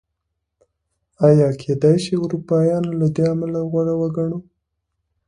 ایا کېدای شي اروپایان له دې امله غوره وګڼو؟